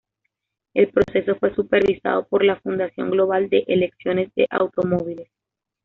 El proceso fue supervisado por la Fundación Global de elecciones de automóviles.